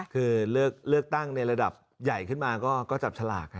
คือเลือกตั้งในระดับใหญ่ขึ้นมาก็จับฉลาก